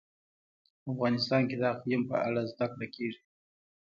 افغانستان کې د اقلیم په اړه زده کړه کېږي.